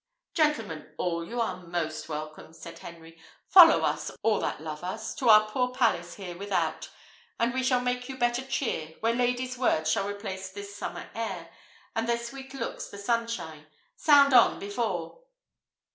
"Gentlemen all, you are most welcome," said Henry; "follow us, all that love us, to our poor palace here without, and we will make you better cheer, where ladies' words shall replace this summer air, and their sweet looks the sunshine. Sound 'On before!'"